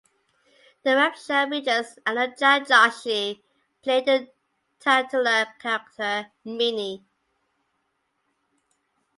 The web show features Anuja Joshi played the titular character Mini.